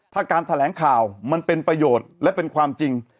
ถ้าการแถลงข่าวมันเป็นประโยชน์และเป็นความจริง